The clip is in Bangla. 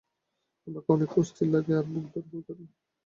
আমার অনেক অস্থির লাগে আর বুক ধরফর করে।